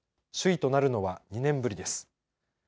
首位となるのは２年ぶりです。